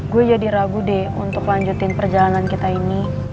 gue jadi ragu deh untuk lanjutin perjalanan kita ini